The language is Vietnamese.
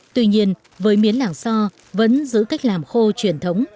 tuy nhiên với miến làng so vẫn giữ cách làm khô truyền thống